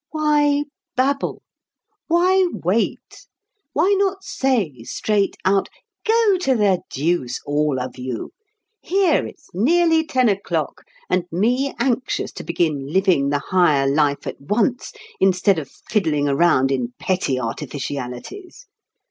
Why babble? Why wait? Why not say straight out: "Go to the deuce, all of you! Here it's nearly ten o'clock, and me anxious to begin living the higher life at once instead of fiddling around in petty artificialities.